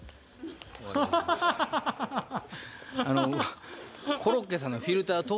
ハハハハハ！